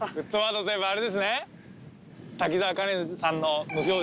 あれですね？